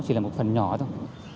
chỉ là một phần nhỏ thôi